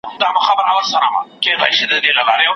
کلونه مي پر لار د انتظار کړلې شپې سپیني